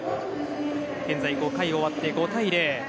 現在５回が終わって５対０。